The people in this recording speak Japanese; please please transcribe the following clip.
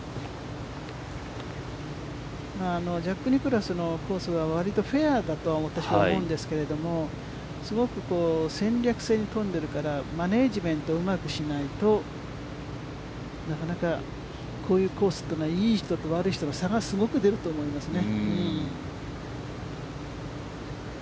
ジャック・ニクラウスのコースは、割とフェアだと私は思うんですけども、すごく戦略性に富んでいるから、マネジメントをうまくしないと、なかなか、こういうコースというのはいい人と悪い人の差がすごく出ると思いますね。